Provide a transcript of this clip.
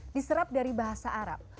diserap dari bahasa arab